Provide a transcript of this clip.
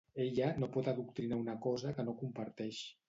Ella no pot adoctrinar una cosa que no comparteix.